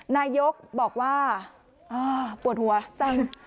นายกบอกว่าปวดหัวจัง